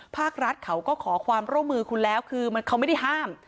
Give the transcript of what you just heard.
ภาครัฐเขาก็ขอความร่วมมือคุณแล้วคือเขาไม่ได้ห้าม